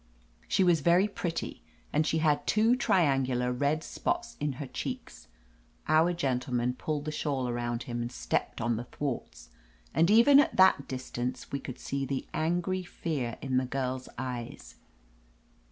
She was very pretty, and she had two triangu lar red spots in her cheeks. Our gentleman pulled the shawl around him and stepped on the thwarts, and even at that distance we could see the angry fear in the girl's eyes.